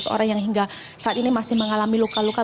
orang yang hingga saat ini masih mengalami luka luka